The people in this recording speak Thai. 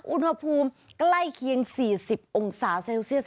อุณหภูมิใกล้เคียง๔๐องศาเซลเซียส